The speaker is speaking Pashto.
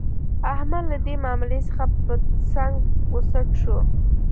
احمد له دې ماملې څخه په څنګ و څټ شو.